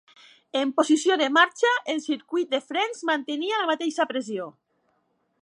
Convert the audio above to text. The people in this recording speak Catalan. En posició de marxa el circuit de frens mantenia la mateixa pressió.